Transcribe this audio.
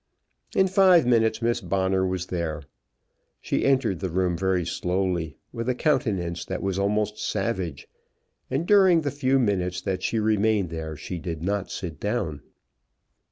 In five minutes Miss Bonner was there. She entered the room very slowly, with a countenance that was almost savage, and during the few minutes that she remained there she did not sit down.